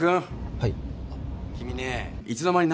はい？